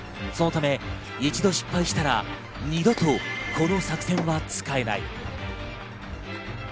そのため、一度失敗したら二度とこの作戦は使えない。